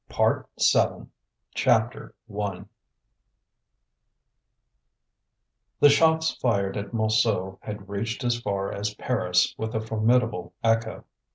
PART SEVEN CHAPTER I The shots fired at Montsou had reached as far as Paris with a formidable echo.